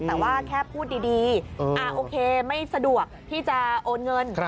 แต่ว่าแค่พูดดีโอเคไม่สะดวกที่จะโอนเงิน